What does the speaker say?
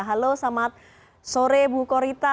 halo selamat sore bu korita